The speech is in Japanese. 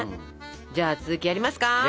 じゃあ続きやりますか？